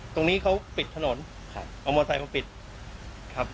ตรงนี้เขาปิดถนนเอามอเตยเขาปิดครับ